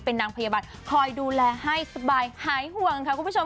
เป็นนางพยาบาลคอยดูแลให้สบายหายห่วงค่ะคุณผู้ชม